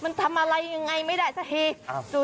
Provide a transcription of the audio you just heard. มันทำอะไรยังไงไม่ได้สักที